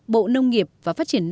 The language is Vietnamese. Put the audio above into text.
bộ nông nghiệp và phát triển nông